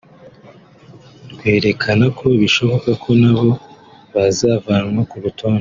rwerekana ko bishoboka ko nabo bazavanwa ku rutonde